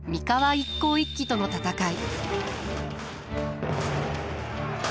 一向一揆との戦い。